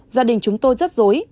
gia đình chúng tôi rất dối